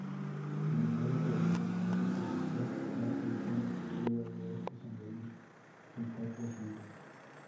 De manera promocional se utilizó la canción "Quiero verte sonreír" de Carlos Vives.